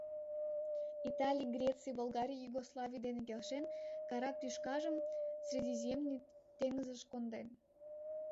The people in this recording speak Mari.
Италий, Греций, Болгарий, Югославий дене келшен, карап тӱшкажым Средиземный теҥызыш конден.